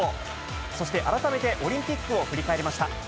そして改めて、オリンピックを振り返りました。